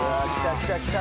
来た来た。